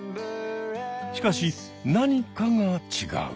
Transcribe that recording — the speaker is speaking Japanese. しかし何かが違う。